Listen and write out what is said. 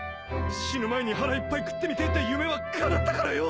死ぬ前に腹いっぱい食ってみてえって夢はかなったからよ